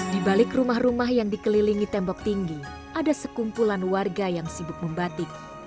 di balik rumah rumah yang dikelilingi tembok tinggi ada sekumpulan warga yang sibuk membatik